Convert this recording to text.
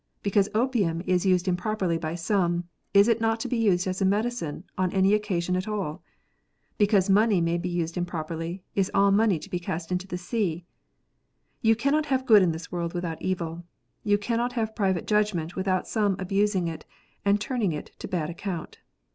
Because opium is used improperly by some, is it not to be used as a medicine on any occasion at all ? Because money may be used improperly, is all money to be cast into the sea ? You cannot have good in this world without evil. You cannot have private judgment without some abusing it, and turning it to bad account.